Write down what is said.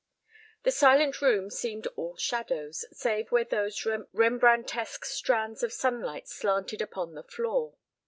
The silent room seemed all shadows, save where those Rembrandtesque strands of sunlight slanted upon the floor.